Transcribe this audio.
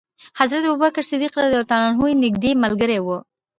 حضرت ابو بکر صدیق یې نېږدې ملګری و.